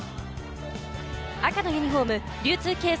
赤のユニホーム・流通経済